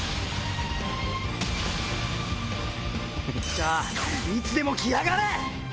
さぁいつでも来やがれ！